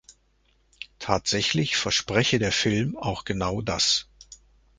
Tatsächlich verspreche der Film auch genau das.